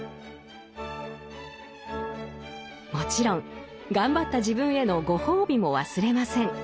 もちろん頑張った自分へのご褒美も忘れません。